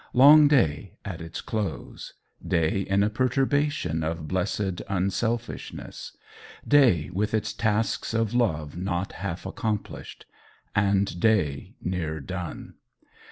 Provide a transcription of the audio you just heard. Long Day at its close. Day in a perturbation of blessed unselfishness. Day with its tasks of love not half accomplished. And Day near done!